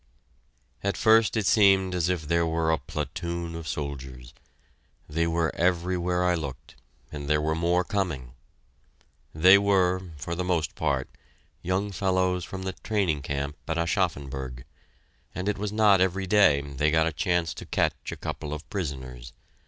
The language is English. At first it seemed as if there were a platoon of soldiers: they were everywhere I looked, and there were more coming! They were, for the most part, young fellows from the training camp at Aschaffenburg, and it was not every day they got a chance to catch a couple of prisoners.